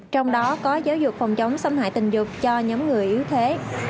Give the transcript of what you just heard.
trong đó có giáo dục phòng chống xâm hại tình dục cho nhóm người yếu thế